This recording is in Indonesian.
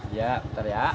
iya bentar ya